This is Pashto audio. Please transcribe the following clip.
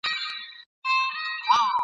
هغه زوى چي يې تر ټولو كشرى وو !.